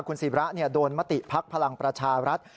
คุณศิระโดนมติภักดิ์พลังประชารัฐ